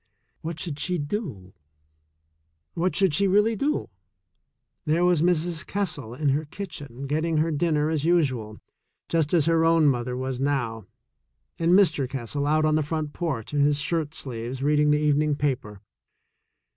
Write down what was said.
What should she do? What should she really do ? There was Mrs. Kessel in her kitchen getting her dinner as usual, just as her own mother i62 THE SECOND CHOICE was now, and Mr. Kessel out on the front porch in his shirt sleeves reading the evening paper.